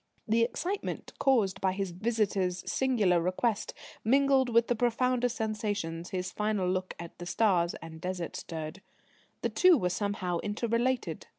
The excitement caused by his visitor's singular request mingled with the profounder sensations his final look at the stars and Desert stirred. The two were somehow inter related.